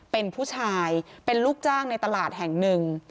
เป็นผู้ชายเป็นลูกจ้างในตลาดแห่งหนึ่ง